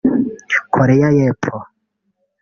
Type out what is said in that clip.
Koreya y’epfo